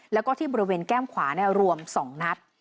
แล้วก็ที่บริเวณแก้มขวารวม๒นัด